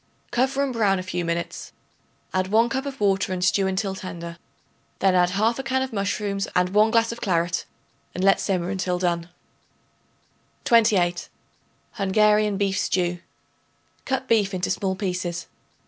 Cover and brown a few minutes; add 1 cup of water and stew until tender. Then add 1/2 can of mushrooms and 1 glass of claret and let simmer until done. 28. Hungarian Beef Stew. Cut beef into small pieces.